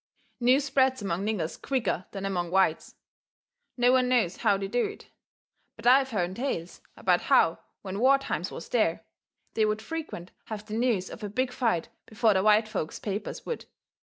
News spreads among niggers quicker than among whites. No one knows how they do it. But I've hearn tales about how when war times was there, they would frequent have the news of a big fight before the white folks' papers would.